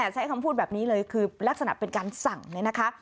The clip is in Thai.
ใช้คำพูดแบบนี้เลยคือลักษณะเป็นการสั่งเนี่ยนะคะ